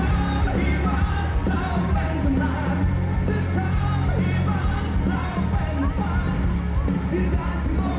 ฉันทำให้บ้านเราเป็นประมาณ